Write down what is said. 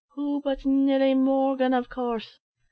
"Who but Nelly Morgan, av course.